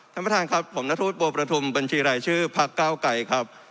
ท่านประธานครับผมนธุรกิจปวประธุมบัญชีรายชื่อพรรคเก้าไก่ครับ